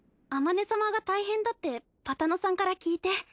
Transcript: あまね様が大変だってぱたのさんから聞いて。